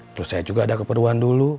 terus saya juga ada keperluan dulu